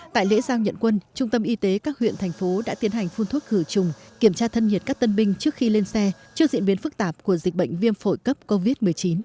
tại lễ giao nhận quân trung tâm y tế các huyện thành phố đã tiến hành phun thuốc khử trùng kiểm tra thân nhiệt các tân binh trước khi lên xe trước diễn biến phức tạp của dịch bệnh viêm phổi cấp covid một mươi chín